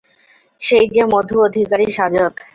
সেই যে মধু অধিকারী সাজত।